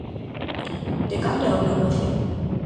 De cando é o negocio?